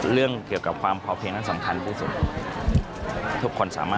เรื่องเกี่ยวกับความขอเพียงนั้นสำคัญครับ